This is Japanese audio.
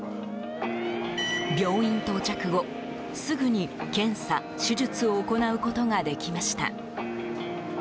病院到着後、すぐに検査手術を行うことができました。